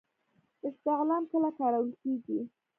استعلام کله کارول کیږي؟